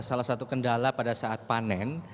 salah satu kendala pada saat panen